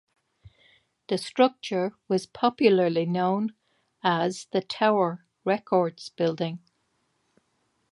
The structure was popularly known as the "Tower Records building".